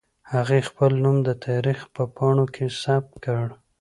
هغې خپل نوم د تاريخ په پاڼو کې ثبت کړ.